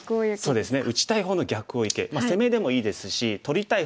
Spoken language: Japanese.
そうですね。